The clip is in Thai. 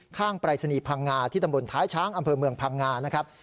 ปรายศนีย์พังงาที่ตำบลท้ายช้างอำเภอเมืองพังงานะครับ